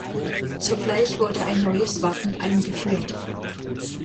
Zugleich wurde ein neues Wappen eingeführt.